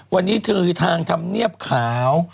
วันนี้คือทางทำเนียบข่าว